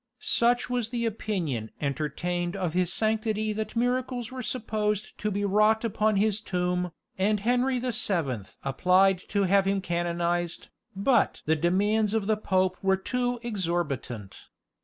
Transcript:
Such was the opinion entertained of his sanctity that miracles were supposed to be wrought upon his tomb, and Henry the Seventh applied to have him canonised, but the demands of the Pope were too exorbitant.